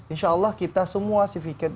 insya allah kita semua civiet